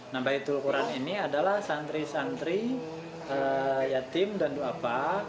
nah baitul quran ini adalah santri santri yatim dan do'a pa'at